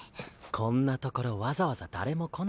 こんな所わざわざ誰も来ないよ。